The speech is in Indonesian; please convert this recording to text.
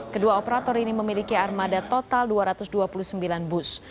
kedua operator ini memiliki armada total dua ratus dua puluh sembilan bus